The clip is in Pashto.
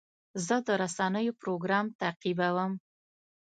زه د رسنیو پروګرام تعقیبوم.